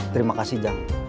terima kasih jang